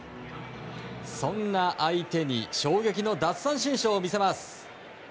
そんな相手に衝撃の奪三振ショーを見せます。